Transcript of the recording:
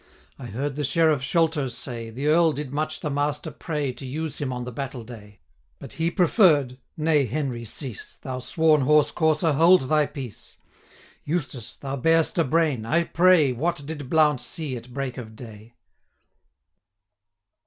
I heard the Sheriff Sholto say, The Earl did much the Master pray 500 To use him on the battle day; But he preferr'd' 'Nay, Henry, cease! Thou sworn horse courser, hold thy peace. Eustace, thou bear'st a brain I pray, What did Blount see at break of day?'